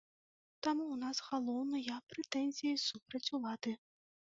Таму ў нас галоўныя прэтэнзіі супраць улады.